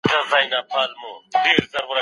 د نوي نسل فکري روزنې ته جدي پاملرنه وکړئ.